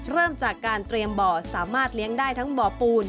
เริ่มจากการเตรียมบ่อสามารถเลี้ยงได้ทั้งบ่อปูน